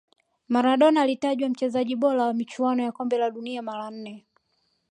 maradona alitajwa mchezaji bora wa michuano ya kombe la dunia mara nne